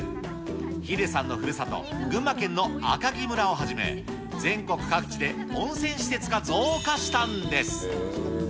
ヒデさんのふるさと、群馬県の赤城村をはじめ、全国各地で温泉施設が増加したんです。